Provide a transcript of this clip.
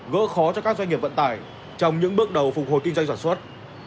gỡ khó cho các doanh nghiệp vận tải trong những bước đầu phục hồi kinh doanh sản xuất